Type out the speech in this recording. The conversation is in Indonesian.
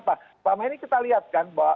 pada saat ini kita lihat kan